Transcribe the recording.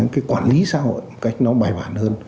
cái quản lý xã hội một cách nó bài bản hơn